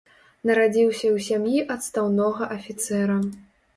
Нарадзіўся ў сям'і адстаўнога афіцэра.